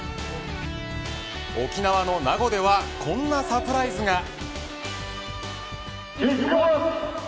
沖縄の名護ではこんなサプライズが。